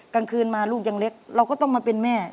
กลางคืนมาลูกยังเล็กเราก็ต้องมาเป็นแม่